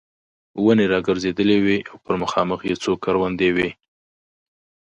ونې را ګرځېدلې وې او پر مخامخ یې څو کروندې وې.